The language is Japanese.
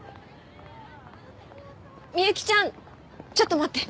美幸ちゃんちょっと待って。